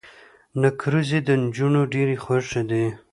نکریزي د انجونو ډيرې خوښې دي.